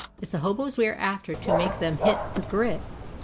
It's the hoboes we are after to make them 'hit the grit'."